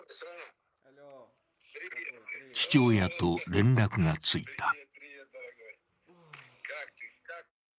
父親と連絡がついた。